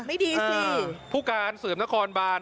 ไม่ดีสิผู้การสืบนครบาน